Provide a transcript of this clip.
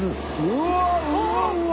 うわうわうわ。